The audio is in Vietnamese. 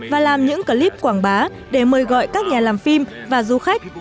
và làm những clip quảng bá để mời gọi các nhà làm phim và du khách